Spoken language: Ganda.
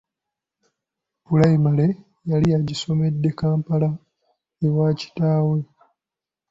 Pulayimale yali agisomedde kampala ewa kitaawe.